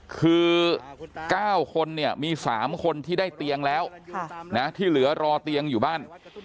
คือ๙คนเนี่ยมี๓คนที่ได้เตียงแล้วที่เหลือรอเตียงอยู่บ้าน